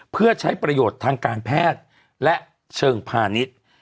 เพื่อใช้ประโยชน์ทางการแพทย์และเชิงพาณิชย์